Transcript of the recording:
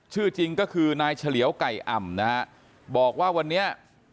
ชื่อจริงก็คือนายเฉลียวไก่อ่ำนะฮะบอกว่าวันนี้